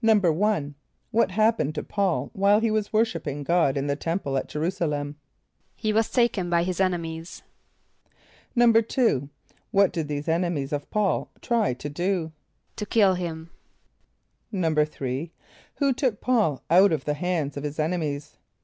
= What happened to P[a:]ul while he was worshipping God in the temple at J[+e] r[u:]´s[+a] l[)e]m? =He was taken by his enemies.= =2.= What did these enemies of P[a:]ul try to do? =To kill him.= =3.= Who took P[a:]ul out of the hands of his enemies?